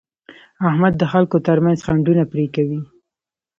احمد د خلکو ترمنځ خنډونه پرې کوي.